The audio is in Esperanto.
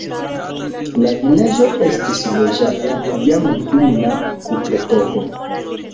La vilaĝo estis loĝata jam dum la kuprepoko.